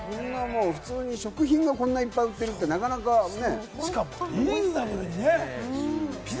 普通に食品がこんなにいっぱい売ってるって、なかなかね。